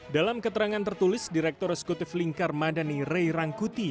dalam keterangan tertulis direktur eksekutif lingkar madani ray rangkuti